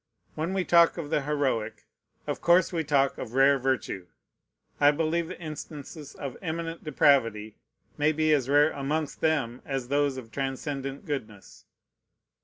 When we talk of the heroic, of course we talk of rare virtue. I believe the instances of eminent depravity may be as rare amongst them as those of transcendent goodness.